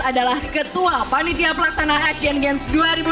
adalah ketua panitia pelaksana asian games dua ribu delapan belas